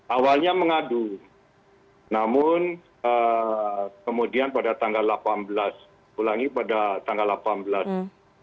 awalnya mengadu namun kemudian pada tanggal delapan belas ulangi pada tanggal delapan belas